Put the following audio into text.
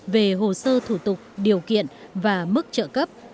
về hồ sơ thủ tục điều kiện và mức trợ cấp